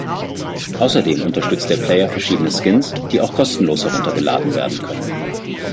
Außerdem unterstützt der Player verschiedene Skins, die auch kostenlos heruntergeladen werden können.